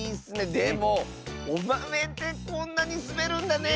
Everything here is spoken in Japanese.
でもおまめってこんなにすべるんだね！